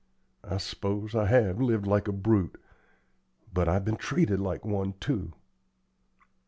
I s'pose I have lived like a brute, but I've been treated like one, too."